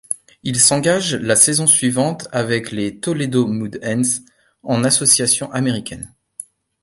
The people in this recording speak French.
Il s'engage la saison suivante avec les Toledo Mud Hens en Association américaine.